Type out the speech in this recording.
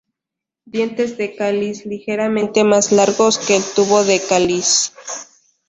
Dientes de cáliz ligeramente más largos que el tubo del cáliz.